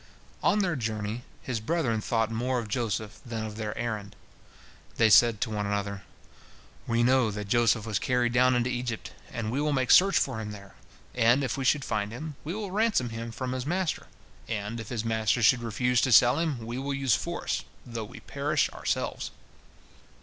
On their journey his brethren thought more of Joseph than of their errand. They said to one another: "We know that Joseph was carried down into Egypt, and we will make search for him there, and if we should find him, we will ransom him from his master, and if his master should refuse to sell him, we will use force, though we perish ourselves."